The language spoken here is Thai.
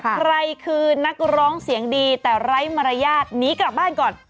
ใครคือนักร้องเสียงดีแต่ไร้มารยาทหนีกลับบ้านก่อน